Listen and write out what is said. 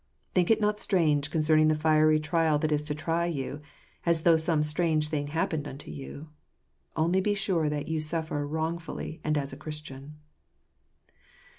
"Think it not strange concerning the fiery trial that is to try you, as though some strange thing happened unto you "; only be sure that you suffer wrong fully, and as a Christian.